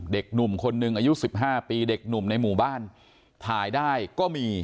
เด็กหนุ่มคนหนึ่งอายุสิบห้าปีเด็กหนุ่มในหมู่บ้านถ่ายได้ก็มี